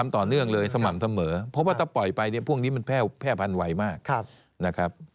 ต่อเนื่องเลยสม่ำเสมอเพราะว่าถ้าปล่อยไปเนี่ยพวกนี้มันแพร่พันไวมากนะครับ